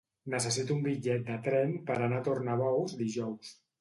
Necessito un bitllet de tren per anar a Tornabous dijous.